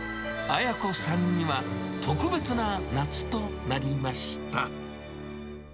綾子さんには、特別な夏となりました。